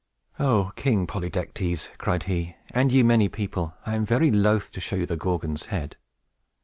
"O King Polydectes," cried he, "and ye many people, I am very loath to show you the Gorgon's head!"